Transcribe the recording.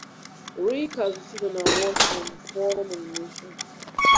Reik has received an award from four nominations.